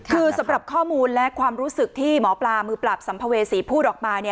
คือสำหรับข้อมูลและความรู้สึกที่หมอปลามือปราบสัมภเวษีพูดออกมา